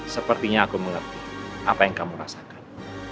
sepertinya aku mengerti apa yang kamu rasakan